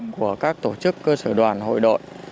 của các tổ chức cơ sở đoàn hội đội